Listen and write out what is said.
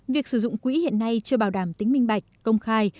việc sử dụng quỹ hiện nay chưa bảo đảm tính minh bạch công khai